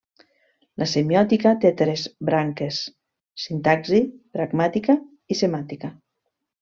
La semiòtica té tres branques: sintaxi, pragmàtica i semàntica.